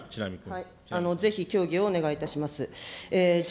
ぜひ協議をお願いいたします。